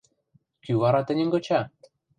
Кӱ вара тӹньӹм кыча?